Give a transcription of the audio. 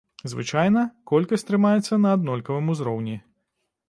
Звычайна, колькасць трымаецца на аднолькавым узроўні.